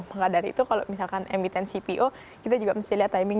maka dari itu kalau misalkan emiten cpo kita juga mesti lihat timing